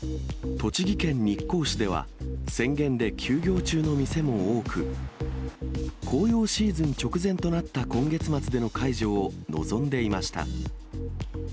栃木県日光市では、宣言で休業中の店も多く、紅葉シーズン直前となった今月末での解除を望んでいました。